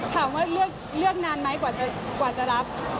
ถามว่าเลือกนานไหมกว่าจะรับ